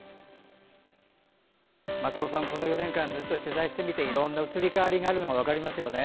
松尾さん、この４年間ずっと取材してみていろんな移り変わりがあるのが分かりますよね。